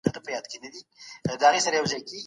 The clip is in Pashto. پوليس د عامه نظم ساتونکي دي